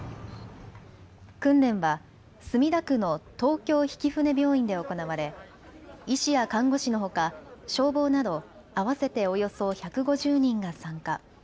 訓練は墨田区の東京曳舟病院で行われ医師や看護師のほか、消防など合わせておよそ１５０人が参加。